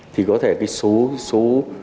thì có thể cái số số